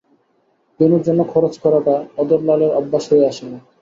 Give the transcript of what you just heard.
বেণুর জন্য খরচ করাটা অধরলালের অভ্যাস হইয়া আসিল ।